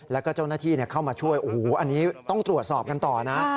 แล้วก็เจ้าหน้าที่เข้ามาช่วยโอ้โหอันนี้ต้องตรวจสอบกันต่อนะ